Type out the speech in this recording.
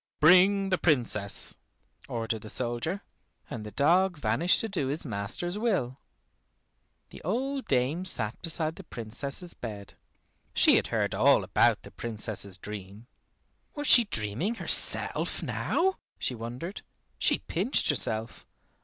"Bring the Princess," ordered the soldier, and the dog vanished to do his master's will. The old dame sat beside the Princess's bed. She had heard all about the Princess's dream. "Was she dreaming herself now?" she wondered. She pinched herself.